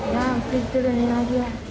nah turun aja